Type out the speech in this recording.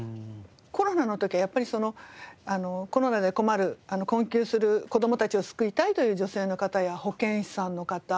コロナの時はやっぱりコロナで困る困窮する子供たちを救いたいという女性の方や保健師さんの方女医さん